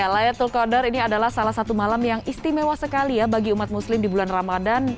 laylatul qadar ini adalah salah satu malam yang istimewa sekali ya bagi umat muslim di bulan ramadan